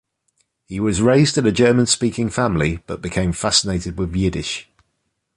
He was raised in a German-speaking family but became fascinated with Yiddish.